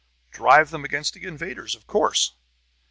Drive them against the invaders, of course!"